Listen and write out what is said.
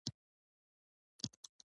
وطن زموږ د کلتور او تاریخ ځای دی.